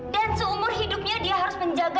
dan seumur hidupnya dia harus menjaga